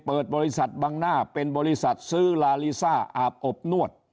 เปิดบริษัทบังหน้าเป็นบริษัทซื้อลาลีซ่าอาบอบนวด